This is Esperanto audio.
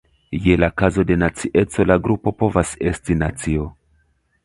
Je la kazo de nacieco la grupo povas esti nacio.